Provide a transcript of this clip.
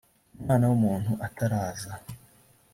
umwana w umuntu ataraza